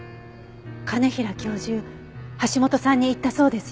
兼平教授橋本さんに言ったそうですよ。